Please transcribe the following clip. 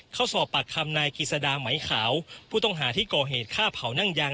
เข้าสอบปากคำนายกิจสดาไหมขาวผู้ต้องหาที่ก่อเหตุฆ่าเผานั่งยาง